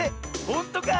ほんとか？